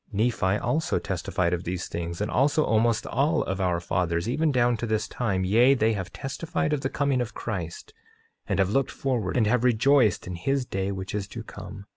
Nephi also testified of these things, and also almost all of our fathers, even down to this time; yea, they have testified of the coming of Christ, and have looked forward, and have rejoiced in his day which is to come.